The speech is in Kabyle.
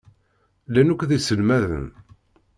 Llan akk d iselmaden.